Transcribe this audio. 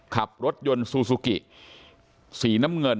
ขับรถยนต์ซูซูกิสีน้ำเงิน